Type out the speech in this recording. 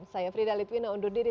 saya frida litwina undur diri